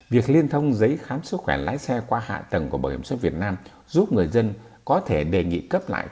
việc liên thông giấy khám sức khỏe lái xe qua hạ tầng của bảo hiểm xuất việt nam giúp người dân có thể đề nghị cấp lại